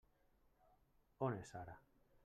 On és ara?